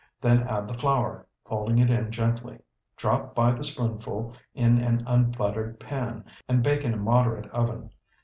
Then add the flour, folding it in gently. Drop by the spoonful in an unbuttered pan, and bake in a moderate oven.